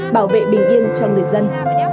bảo vệ bình yên cho người dân